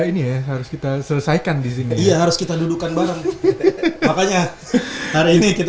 ini ya harus kita selesaikan di sini iya harus kita dudukan bareng makanya hari ini kita